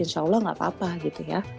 insya allah gak apa apa gitu ya